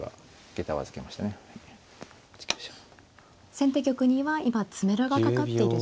先手玉には今詰めろがかかっている状況。